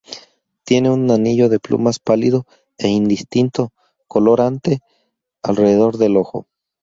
Tiene un anillo de plumas pálido e indistinto, color ante, alrededor del ojo.